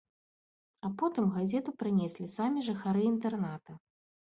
А потым газету прынеслі самі жыхары інтэрната.